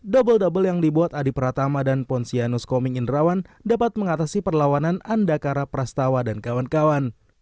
double double yang dibuat adi pratama dan pontianus koming indrawan dapat mengatasi perlawanan andakara prastawa dan kawan kawan